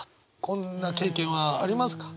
こんな経験はありますか？